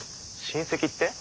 親戚って？